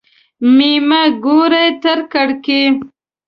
مېمه ګوري تر کړکۍ.